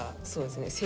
そうですね。